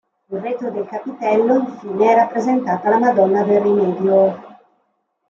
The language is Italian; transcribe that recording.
Sul retro del capitello infine è rappresentata la Madonna del Rimedio.